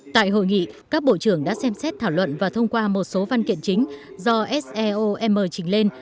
tại hội nghị các bộ trưởng đã xem xét thảo luận và thông qua một số văn kiện chính do seom trình lên